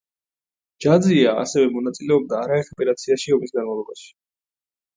ჯაძია ასევე მონაწილეობდა არაერთ ოპერაციაში ომის განმავლობაში.